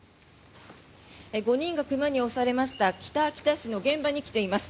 ５人が熊に襲われました北秋田市の現場に来ています。